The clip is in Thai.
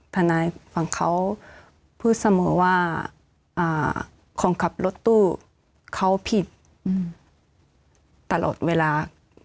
ทนายฝั่งเขาพูดเสมอว่าคนขับรถตู้เขาผิดตลอดเวลา